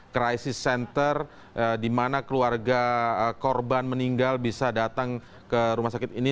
krisis center di mana keluarga korban meninggal bisa datang ke rumah sakit ini